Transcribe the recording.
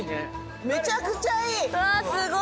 めちゃくちゃいい！